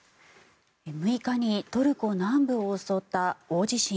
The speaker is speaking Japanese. ６日にトルコ南部を襲った大地震。